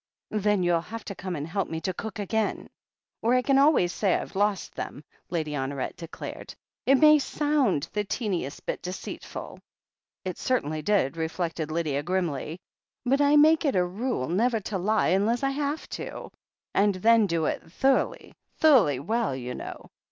"Then you'll have to come and help me to cook again, or I can always say I have lost them," Lady Honoret declared. "It may sound the teeniest bit deceitful" — it certainly did, reflected Lydia grimly — "but I make it a rule never to lie unless I have to, and then do it thoroughly, thoroughly well, you know.